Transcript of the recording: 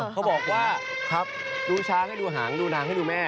เขาบอกว่าครับดูช้างให้ดูหางดูนางให้ดูแม่